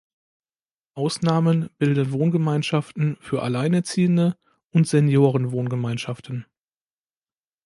Ausnahmen bilden „Wohngemeinschaften für Alleinerziehende“ und „Senioren-Wohngemeinschaften“.